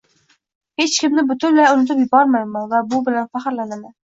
hech kimni butunlay unutib yubormayman va bu bilan faxrlanaman.